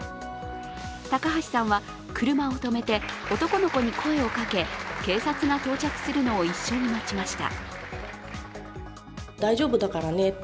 高橋さんは車を止めて男の子に声をかけ警察が到着するのを一緒に待ちました。